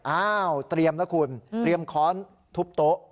อ้าวเตรียมแล้วคุณเตรียมค้อนทุบโต๊ะ